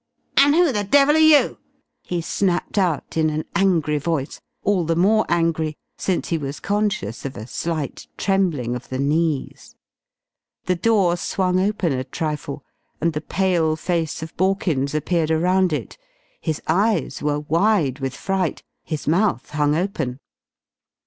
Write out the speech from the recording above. "And who the devil are you?" he snapped out in an angry voice, all the more angry since he was conscious of a slight trembling of the knees. The door swung open a trifle and the pale face of Borkins appeared around it. His eyes were wide with fright, his mouth hung open.